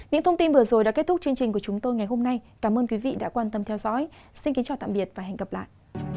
những thông tin vừa rồi đã kết thúc chương trình của chúng tôi ngày hôm nay cảm ơn quý vị đã quan tâm theo dõi xin kính chào tạm biệt và hẹn gặp lại